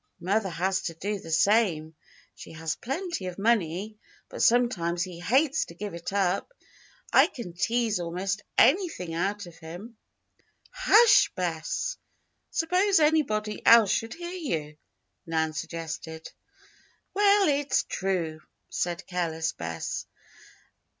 Mother has to do the same. He has plenty of money, but sometimes he hates to give it up. I can tease almost anything out of him." "Hush, Bess! Suppose anybody else should hear you?" Nan suggested. "Well, it's true," said careless Bess.